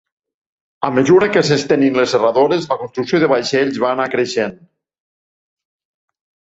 A mesura que s'estenien les serradores, la construcció de vaixells va anar creixent.